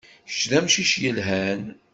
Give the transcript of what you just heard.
Kečč d amcic yelhan.